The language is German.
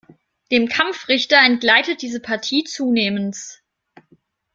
Dem Kampfrichter entgleitet diese Partie zunehmends.